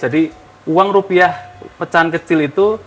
jadi uang rupiah pecahan kecil itu